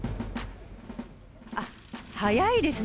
あっ、速いですね。